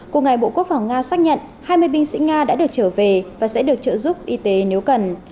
cùng ngày bộ quốc phòng nga xác nhận hai mươi binh sĩ nga đã được trở về và sẽ được trợ giúp y tế nếu cần